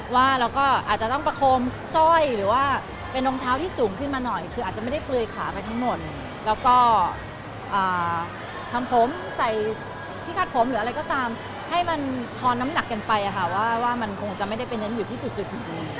ว่าเราก็อาจจะต้องประโคมสร้อยหรือว่าเป็นรองเท้าที่สูงขึ้นมาหน่อยคืออาจจะไม่ได้เปลือยขาไปทั้งหมดแล้วก็ทำผมใส่ที่คาดผมหรืออะไรก็ตามให้มันทอนน้ำหนักกันไปว่ามันคงจะไม่ได้ไปเน้นอยู่ที่จุดไหน